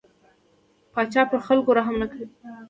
پاچا پر خلکو رحم نه کوي.